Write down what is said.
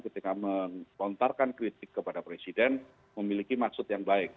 ketika melontarkan kritik kepada presiden memiliki maksud yang baik